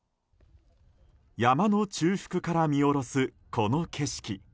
山の中腹から見下ろすこの景色